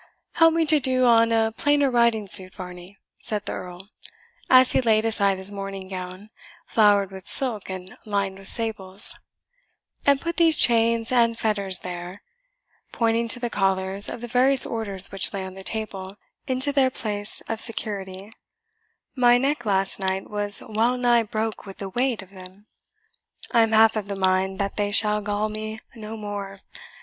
"Help me to do on a plainer riding suit, Varney," said the Earl, as he laid aside his morning gown, flowered with silk and lined with sables, "and put these chains and fetters there" (pointing to the collars of the various Orders which lay on the table) "into their place of security my neck last night was well nigh broke with the weight of them. I am half of the mind that they shall gall me no more.